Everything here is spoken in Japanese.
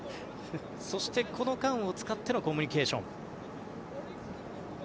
そしてこの間を使ってのコミュニケーション。